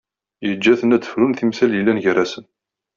Yeǧǧa-ten ad frun timsal yellan gar-asen.